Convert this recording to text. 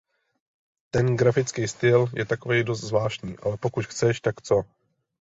Ten grafickej styl je takovej dost zvláštní, ale pokud chceš, tak co.